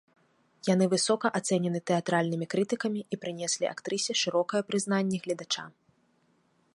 Яны высока ацэнены тэатральнымі крытыкамі і прынеслі актрысе шырокае прызнанне гледача.